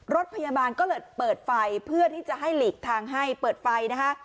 รถพยาบาลก็เลยเปิดไฟเพื่อที่จะให้หลีกทางให้เปิดไฟนะคะ